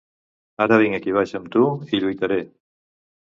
Ara vinc aquí baix amb tu i lluitaré.